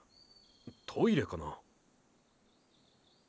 トイレかな？